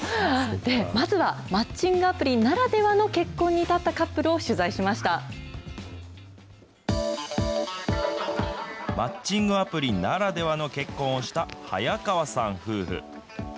まずはマッチングアプリならではの、結婚に至ったカップルを取材マッチングアプリならではの結婚をした早川さん夫婦。